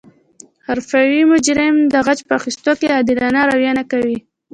حرفوي مجرم د غچ په اخستلو کې عادلانه رویه نه کوي